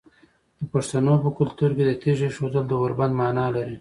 د پښتنو په کلتور کې د تیږې ایښودل د اوربند معنی لري.